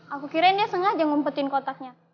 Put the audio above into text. aku kirain dia sengaja ngumpetin kotaknya